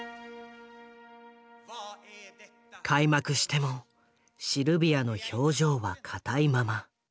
開幕してもシルビアの表情は硬いまま。